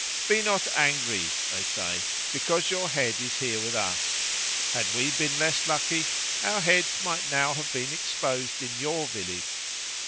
"Be not angry," they say, "because your head is here with us; had we been less lucky, our heads might now have been exposed in your village.